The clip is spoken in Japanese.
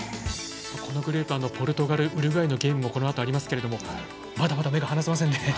このグループはポルトガルウルグアイのゲームもこのあとありますけどもまだまだ目が離せませんね。